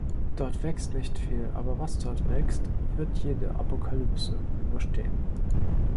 Dort wächst nicht viel, aber was dort wächst, wird jede Apokalypse überstehen.